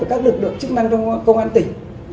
các lực lượng chức năng trong công an tỉnh